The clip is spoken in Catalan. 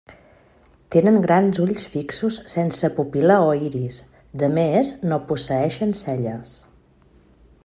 Tenen grans ulls fixos sense pupil·la o iris, de més, no posseeixen celles.